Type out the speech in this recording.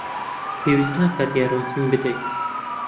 پێویست ناکات یارمەتیم بدەیت.